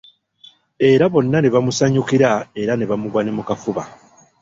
Era bonna ne bamusanyukira era ne bamugwa ne mu kafuba.